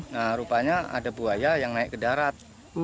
nah rupanya ada buaya yang naik ke darat